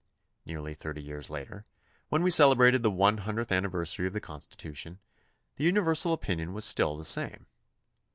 Nearly thirty years later, when we celebrated the one hundredth anniver sary of the Constitution, the universal opinion was still the same.